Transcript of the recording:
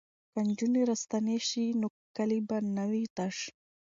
که نجونې راستنې شي نو کلی به نه وي تش.